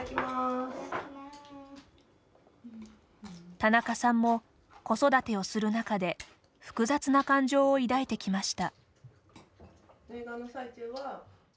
田中さんも子育てをする中で複雑な感情を抱いてきました。